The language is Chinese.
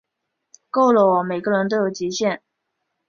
够了喔，每个人都有极限